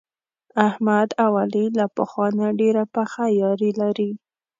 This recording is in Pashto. احمد او علي له پخوا نه ډېره پخه یاري لري.